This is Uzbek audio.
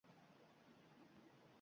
Jasurbek oʻzi yozgan sheʼrni oʻqidi.